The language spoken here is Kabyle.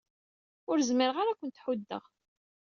Ur zmireɣ ara ad kent-ḥuddeɣ.